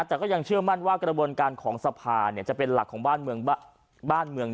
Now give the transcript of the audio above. แต่ก็ยังเชื่อมั่นว่ากระบวนการของสภาจะเป็นหลักของบ้านเมือง